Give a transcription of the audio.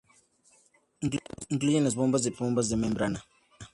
Incluye las bombas de pistón y las bombas de membrana.